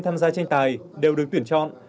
tham gia tranh tài đều được tuyển chọn